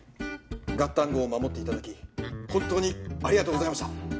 ガッタンゴーを守っていただき本当にありがとうございました。